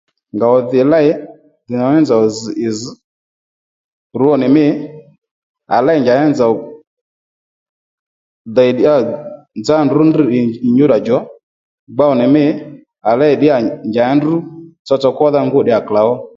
Ngòw dhì lêy njàddí nzòw zz̀ ì zz̀ rwo nì mî à lêy njàddí nzòw dèy ddíyà nzá ndrǔ ndrr ì nyúddà djò gbow nì mî à lêy ddíyà njàddí ndrǔ tsotso kwódha ngûw ddíyà klǒw